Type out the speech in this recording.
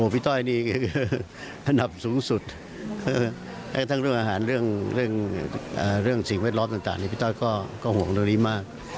พี่ต้อยนี่นับสูงสุดทั้งเรื่องอาหารเรื่องสิ่งเวลาต่างพี่ต้อยก็ห่วงเรื่องนี้มาก